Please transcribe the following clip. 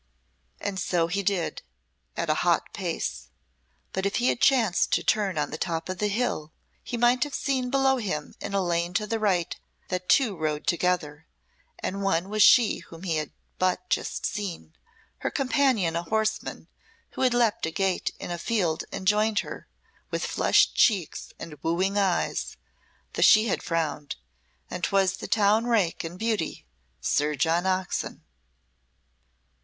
And so he did, at a hot pace; but if he had chanced to turn on the top of the hill he might have seen below him in a lane to the right that two rode together, and one was she whom he had but just seen, her companion a horseman who had leapt a gate in a field and joined her, with flushed cheeks and wooing eyes, though she had frowned and 'twas the town rake and beauty, Sir John Oxon.